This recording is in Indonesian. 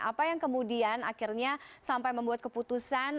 apa yang kemudian akhirnya sampai membuat keputusan